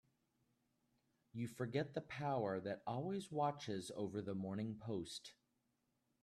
You forget the power that always watches over the Morning Post.